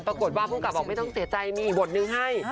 ปรากฏว่าภูมิกับบอกไม่ต้องเสียใจมีบทหนึ่งให้